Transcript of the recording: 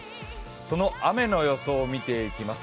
その雨の予想を見ていきます。